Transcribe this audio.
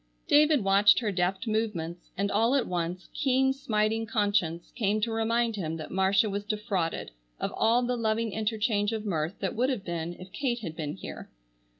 David watched her deft movements and all at once keen smiting conscience came to remind him that Marcia was defrauded of all the loving interchange of mirth that would have been if Kate had been here.